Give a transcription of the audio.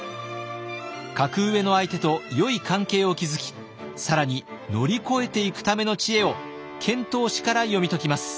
格上の相手とよい関係を築き更に乗り越えていくための知恵を遣唐使から読み解きます。